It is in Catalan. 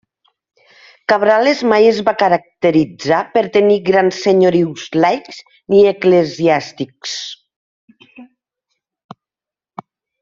Cabrales mai es va caracteritzar per tenir grans senyorius laics, ni eclesiàstics.